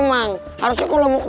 masih tidak berdekatan